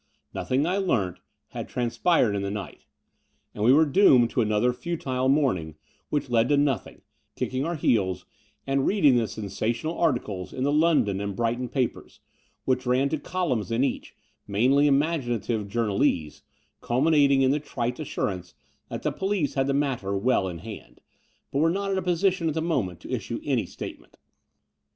Nothing, I learnt, had transpired in the night; 56 The Door of the Unreal and we were doomed to another futile morning which led to nothing, kicking our heels and reading the sensational articles in the London and Brighton papers, which ran to columns in each, mainly imaginative journalese, culminating in the trite assurance that the police had the matter well in hand, but were not in a position at the moment to issue any statement.